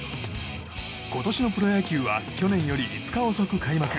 今年のプロ野球は去年より５日遅く開幕。